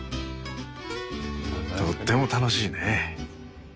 とっても楽しいね。